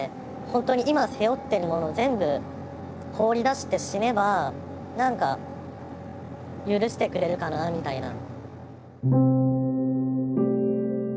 本当に今背負っているものを全部放り出して死ねば何か許してくれるかなみたいな。